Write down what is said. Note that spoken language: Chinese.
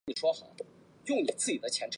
粗壮省藤为棕榈科省藤属下的一个变种。